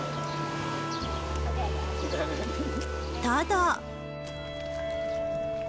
ただ。